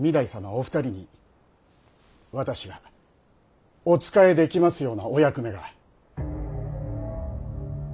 お二人に私がお仕えできますようなお役目が。